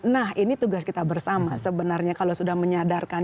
nah ini tugas kita bersama sebenarnya kalau sudah menyadarkan